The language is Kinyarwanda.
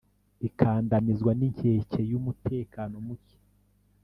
ikandamizwa n'inkeke y'umutekano muke.